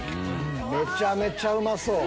めちゃめちゃうまそう！